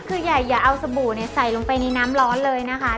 คือใหญ่อย่าเอาสบู่ใส่ลงไปในน้ำร้อนเลยนะคะ